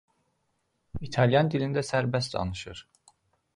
İtalyan dilində sərbəst danışır.